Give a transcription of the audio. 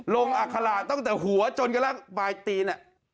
โลงอะขระตั้งแต่หัวจนกระล้งบ่ายตีน